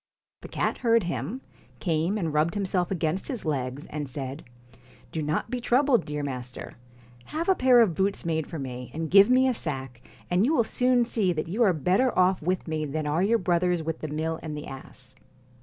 The cat heard him, came and rubbed himself against his legs, and said: 'Do not be troubled, dear master. Have a pair of boots made for me, and give me a sack, and you will soon see that you are better off with me than are your brothers with the mill and the ass.'